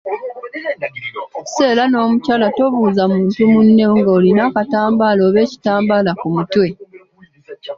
So era n’omukyala tobuuza muntu munno ng’olina akatambaala oba ekitambaala ku mutwe.